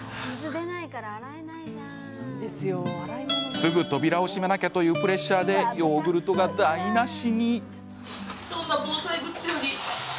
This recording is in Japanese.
すぐ扉を閉めなきゃというプレッシャーでヨーグルトが台なしに。